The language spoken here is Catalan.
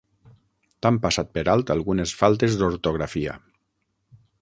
T'han passat per alt algunes faltes d'ortografia.